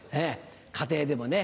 家庭でもね